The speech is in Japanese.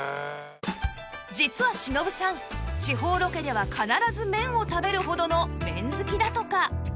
実は忍さん地方ロケでは必ず麺を食べるほどの麺好きだとか